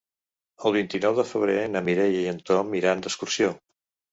El vint-i-nou de febrer na Mireia i en Tom iran d'excursió.